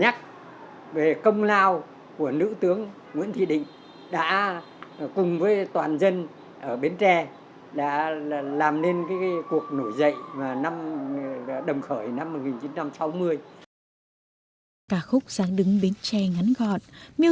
hình ảnh nữ tướng nguyễn thị định và đội quân tóc dân huyền đã làm cho ca khúc giáng đức biên tre của nhạc sĩ